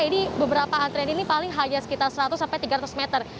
ini beberapa antrian ini paling hanya sekitar seratus sampai tiga ratus meter